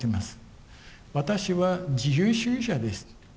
「私は自由主義者です。